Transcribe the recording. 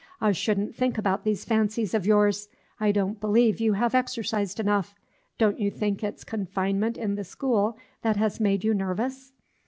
I wouldn't think about these fancies of yours. I don't believe you have exercised enough; don't you think it's confinement in the school has made you nervous?"